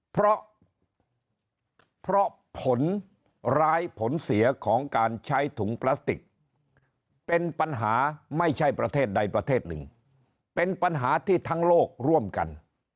เพราะเพราะผลร้ายผลเสียของการใช้ถุงพลาสติกเป็นปัญหาไม่ใช่ประเทศใดประเทศหนึ่งเป็นปัญหาที่ทั้งโลกร่วมกัน